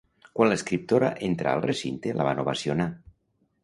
Quan l'escriptora entrà al recinte la van ovacionar.